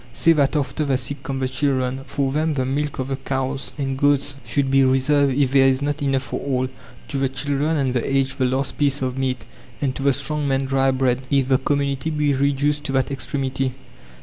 Say that after the sick come the children. For them the milk of the cows and goats should be reserved if there is not enough for all. To the children and the aged the last piece of meat, and to the strong man dry bread, if the community be reduced to that extremity.